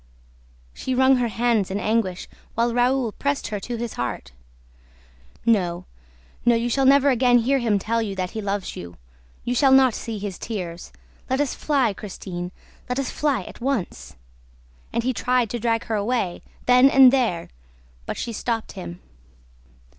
She wrung her hands in anguish, while Raoul pressed her to his heart. "No, no, you shall never again hear him tell you that he loves you! You shall not see his tears! Let us fly, Christine, let us fly at once!" And he tried to drag her away, then and there. But she stopped him.